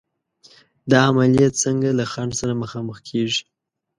دا عملیې څنګه له خنډ سره مخامخ کېږي؟